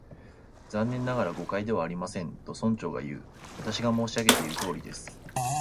「残念ながら、誤解ではありません」と、村長がいう。「私が申し上げているとおりです」